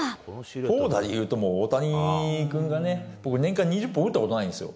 投打でいうと、もう大谷君がね、僕、年間２０本打ったことないんですよ。